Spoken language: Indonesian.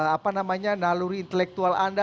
apa namanya naluri intelektual anda